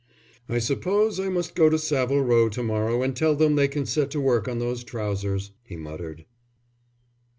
"I suppose I must go to Savile Row to morrow, and tell them they can set to work on those trousers," he muttered.